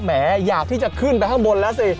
แหมอยากที่จะขึ้นไปข้างบนแล้วสิ